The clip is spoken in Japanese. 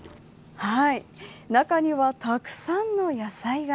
中には、たくさんの野菜が。